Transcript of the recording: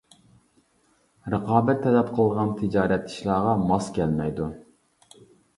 رىقابەت تەلەپ قىلىدىغان تىجارەت ئىشلارغا ماس كەلمەيدۇ.